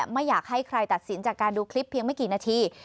ไม่อยากให้ใครตัดสินจากการดูคลิปเพียงไม่กี่นาที